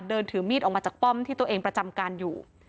เดินถือมีดออกมาจากป้อมที่ตัวเองประจำการอยู่